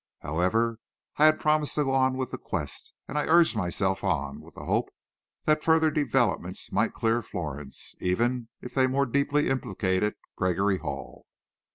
However, I had promised to go on with the quest, and I urged myself on, with the hope that further developments might clear Florence, even if they more deeply implicated Gregory Hall.